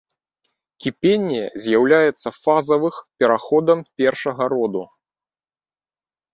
Кіпенне з'яўляецца фазавых пераходам першага роду.